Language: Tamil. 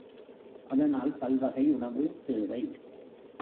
அதனால் பல்வகை உணவு, தேவை.